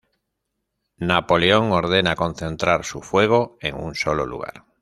Napoleón ordena concentrar su fuego en un sólo lugar.